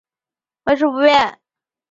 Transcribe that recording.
升级附加赛的资格也维持不变。